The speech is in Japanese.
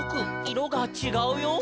いろがちがうよ」